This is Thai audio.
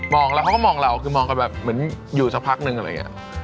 แล้วเขาก็มองเราคือมองกันแบบเหมือนอยู่สักพักนึงอะไรอย่างนี้